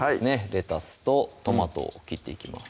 レタスとトマトを切っていきます